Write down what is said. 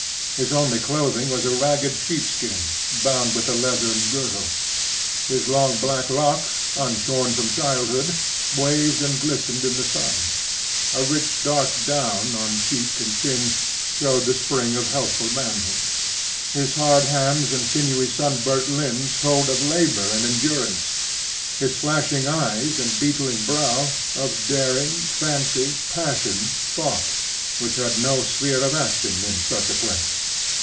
His only clothing was a ragged sheep skin, bound with a leathern girdle. His long black locks, unshorn from childhood, waved and glistened in the sun; a rich dark down on cheek and chin showed the spring of healthful manhood; his hard hands and sinewy sunburnt limbs told of labour and endurance; his flashing eyes and beetling brow, of daring, fancy, passion, thought, which had no sphere of action in such a place.